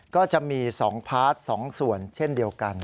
ก็จะมี๒พาร์ท๒ส่วนเช่นเดียวกัน